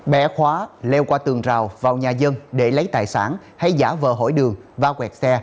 bẻ khóa leo qua tường rào vào nhà dân để lấy tài sản hay giả vờ hỏi đường va quẹt xe